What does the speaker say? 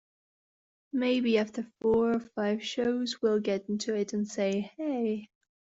Maybe after four or five shows we'll get into it and say, 'Hey!